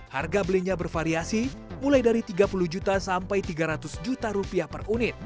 harga belinya bervariasi mulai dari tiga puluh juta sampai tiga ratus juta rupiah per unit